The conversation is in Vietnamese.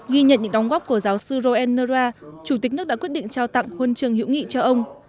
ghi nhận những đồng góp của giáo sư roel noura chủ tịch nước đã quyết định trao tặng huân chương hữu nghị cho ông